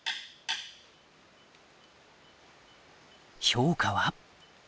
評価は？